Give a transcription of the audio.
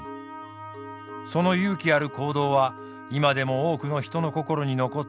その勇気ある行動は今でも多くの人の心に残っています。